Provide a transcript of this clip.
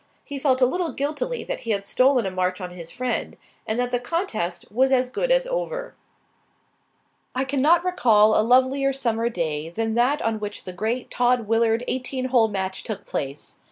He felt a little guiltily that he had stolen a march on his friend, and that the contest was as good as over. I cannot recall a lovelier summer day than that on which the great Todd Willard eighteen hole match took place.